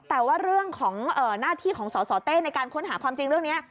แต่ว่าเรื่องของหน้าที่ของสสเต้ในการค้นหาความจริงเรื่องนี้